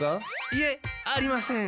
いえありません。